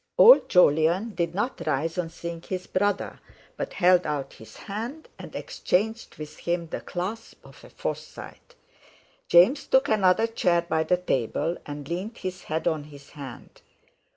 Old Jolyon did not rise on seeing his brother, but held out his hand, and exchanged with him the clasp of a Forsyte. James took another chair by the table, and leaned his head on his hand.